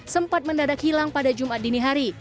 sempat mendadak hilang pada jumat dini hari